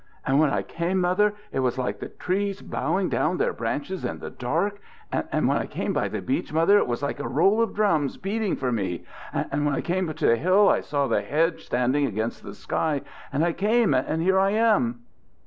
And when I came, Mother, it was like the trees bowing down their branches in the dark. And when I came by the Beach, Mother, it was like a roll of drums beating for me, and when I came to the Hill I saw the Hedge standing against the sky, and I came, and here I am!"